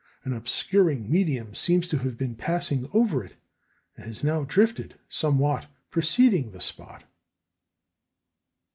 An obscuring medium seems to have been passing over it, and has now drifted somewhat preceding the spot."